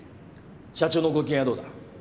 社長のご機嫌はどうだ？